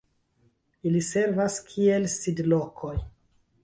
Ili servas kiel sidlokoj.